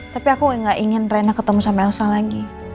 tapi aku gak ingin rena ketemu sama elsa lagi